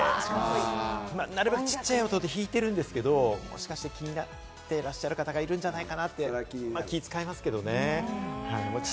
家でギターを弾くので、なるべく小さい音で弾いてるんですけど、もしかして気になってらっしゃる方がいるんじゃないかなって、気を使いますけどね。